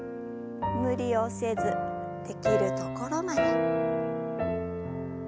無理をせずできるところまで。